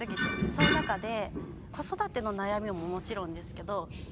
そういう中で子育ての悩みももちろんですけどあ